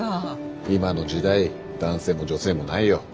今の時代男性も女性もないよ。